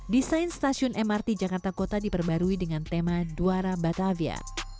desain stasiun mrt jakarta kota diperbarui dengan tema duara batavia